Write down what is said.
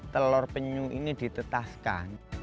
telur penyuh ini ditetaskan